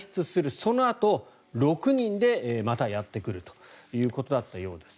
そのあと６人でまたやってくるということだったようです。